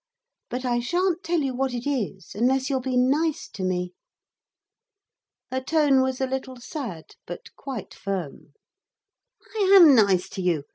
But I shan't tell you what it is unless you'll be nice to me.' Her tone was a little sad, but quite firm. 'I am nice to you.